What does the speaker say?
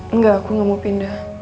enggak aku nggak mau pindah